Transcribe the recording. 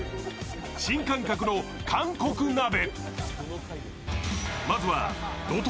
新感覚の韓国鍋。